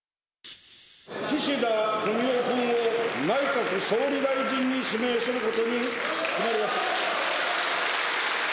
岸田文雄君を内閣総理大臣に指名することに決まりました。